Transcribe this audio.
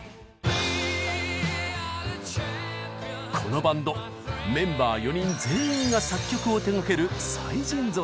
このバンドメンバー４人全員が作曲を手がける才人ぞろい。